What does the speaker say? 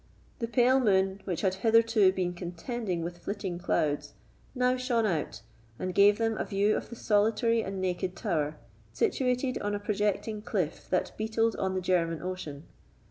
The pale moon, which had hitherto been contending with flitting clouds, now shone out, and gave them a view of the solitary and naked tower, situated on a projecting cliff that beetled on the German Ocean.